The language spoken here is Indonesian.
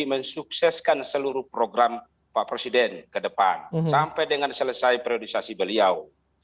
mensukseskan seluruh program pak presiden ke depan sampai dengan selesai priorisasi beliau